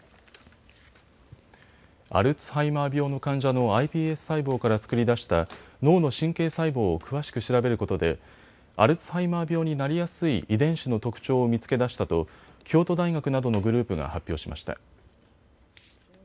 アルツハイマー病の患者のｉＰＳ細胞から作り出した脳の神経細胞を詳しく調べることでアルツハイマー病になりやすい遺伝子の特徴を見つけ出したと京都大学などのグループが発表しました。